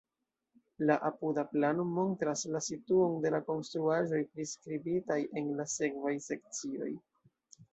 La apuda plano montras la situon de la konstruaĵoj priskribitaj en la sekvaj sekcioj.